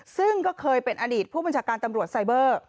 ซึ่งก็เคยเป็นอดีตผู้บัญชาการตำรวจไซเบอร์